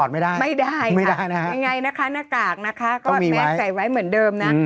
ไม่ได้ไม่ได้นะคะยังไงนะคะหน้ากากนะคะก็แมสใส่ไว้เหมือนเดิมนะ